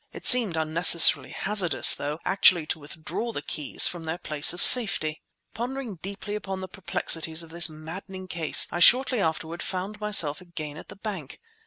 It seemed unnecessarily hazardous, though, actually to withdraw the keys from their place of safety. Pondering deeply upon the perplexities of this maddening case, I shortly afterward found myself again at the bank.